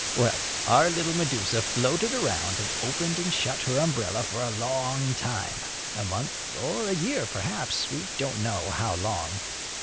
Well, our little Medusa floated around and opened and shut her umbrella for a long time a month, or a year, perhaps we don't know how long.